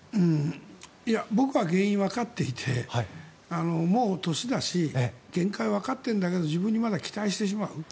僕は原因がわかっていてもう年だし限界がわかっているんだけど自分にまだ期待してしまう。